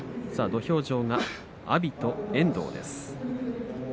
土俵上阿炎と遠藤です。